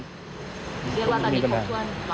เรียกว่าตอนนี้ครบถ้วน